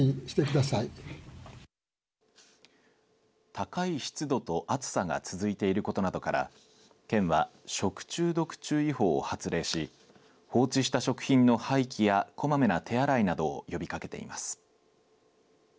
高い湿度と暑さが続いていることなどから県は食中毒注意報を発令し放置した食品の廃棄やこまめな手洗いなどを呼びかけています。